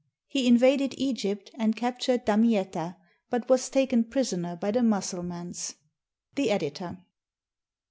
He invaded Egypt and captured Damietta, but was taken prisoner by the Mussulmans. The Editor.